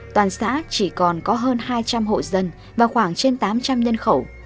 toàn xã chỉ còn có hơn hai trăm linh hộ dân và khoảng trên tám trăm linh nhân khẩu